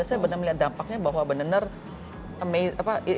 saya benar melihat dampaknya bahwa benar benar